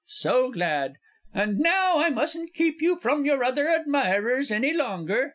So glad. And now I mustn't keep you from your other admirers any longer.